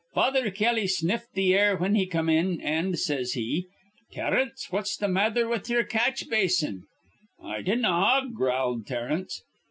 Father Kelly sniffed th' air whin he come in; an' says he, 'Terence, what's th' matther with ye'er catch basin?' 'I dinnaw,' growled Terence.